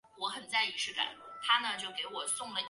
玩家将扮演救世主重建这被荒废的世界。